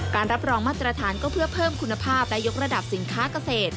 รับรองมาตรฐานก็เพื่อเพิ่มคุณภาพและยกระดับสินค้าเกษตร